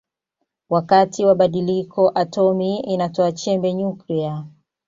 Wakati wa badiliko atomi inatoa chembe nyuklia.